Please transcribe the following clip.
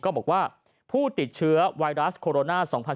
บอกว่าผู้ติดเชื้อไวรัสโคโรนา๒๐๑๖